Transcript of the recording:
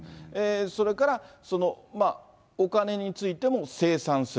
それからお金についても清算する。